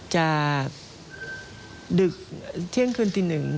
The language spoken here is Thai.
จะดึกเที่ยงคืนตีหนึ่ง